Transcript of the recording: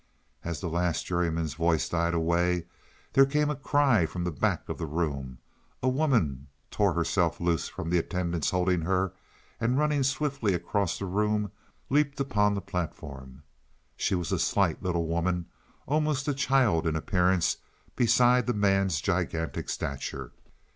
As the last juryman's voice died away, there came a cry from the back of the room, a woman tore herself loose from the attendants holding her, and running swiftly across the room leaped upon the platform. She was a slight little woman, almost a child in appearance beside the man's gigantic stature.